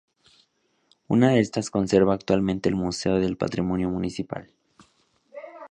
Una de estas se conserva actualmente en el Museo del Patrimonio Municipal.